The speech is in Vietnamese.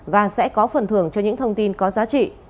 và sẽ có phần thưởng cho những thông tin có giá trị